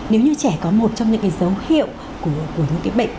nếu như trẻ có một trong những cái dấu hiệu của những cái bệnh